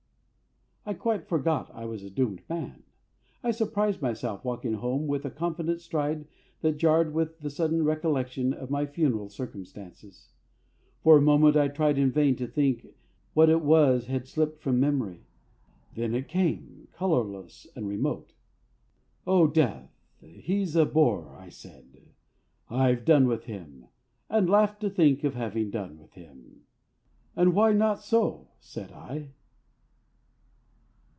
I quite forgot I was a Doomed Man. I surprised myself walking home with a confident stride that jarred with the sudden recollection of my funereal circumstances. For a moment I tried in vain to think what it was had slipped my memory. Then it came, colourless and remote. "Oh! Death.... He's a Bore," I said; "I've done with him," and laughed to think of having done with him. "And why not so?" said I.